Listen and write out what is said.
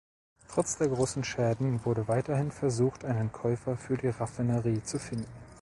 Trotz der großen Schäden wurde weiterhin versucht einen Käufer für die Raffinerie zu finden.